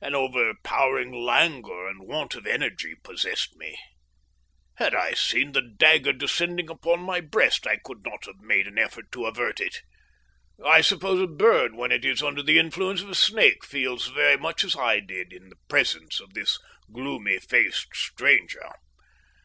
An overpowering languor and want of energy possessed me. Had I seen the dagger descending upon my breast I could not have made an effort to avert it. I suppose a bird when it is under the influence of a snake feels very much as I did in the presence of this gloomy faced stranger.